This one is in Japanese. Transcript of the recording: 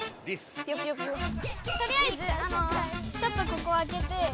とりあえずちょっとここ空けて。